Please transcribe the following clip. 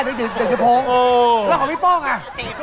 เด็กเย็บโพงแล้วของพี่ป้องอ่ะ